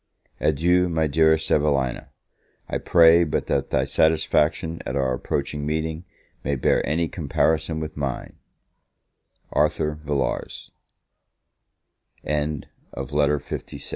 Adieu, my dearest Evelina! I pray but that thy satisfaction at our approaching meeting may bear any comparison with mine! ARTHUR VILLARS. LETTER LVII. EVELINA TO MISS MIRVAN.